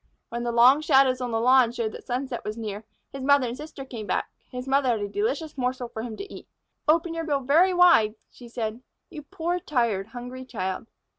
When the long shadows on the lawn showed that sunset was near, his mother and sister came back. His mother had a delicious morsel for him to eat. "Open your bill very wide," she said, "you poor, tired, hungry child."